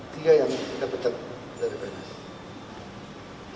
tiga yang kita pecat dari pns